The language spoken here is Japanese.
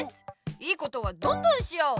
良いことはどんどんしよう！